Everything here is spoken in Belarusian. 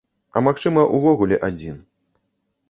А магчыма, увогуле адзін.